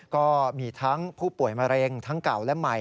ก็มีทั้งผู้ป่วยมะเร็งทั้งเก่าและใหม่